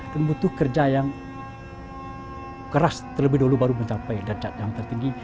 dan butuh kerja yang keras terlebih dahulu baru mencapai derjat yang tertinggi